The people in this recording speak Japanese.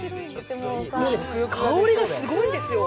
香りがすごいんですよ。